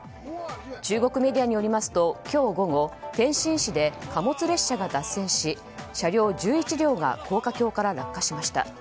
中国メディアによりますと今日午後天津市で貨物列車が脱線し車両１１両が高架橋から落下しました。